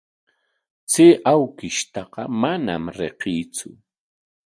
Chay awkishtaqa manam riqsiitsu.